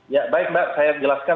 ya baik mbak saya jelaskan